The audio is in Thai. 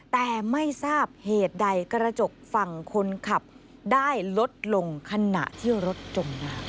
แต่ไม่ทราบเหตุใดกระจกฝั่งคนขับได้ลดลงขณะที่รถจมน้ำ